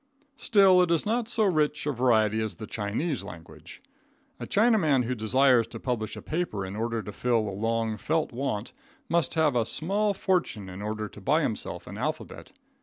Still it is not so rich in variety as the Chinese language. A Chinaman who desires to publish a paper in order to fill a long felt want, must have a small fortune in order to buy himself an alphabet.